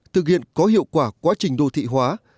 thực hiện có hiệu quả quá trình đô thị hóa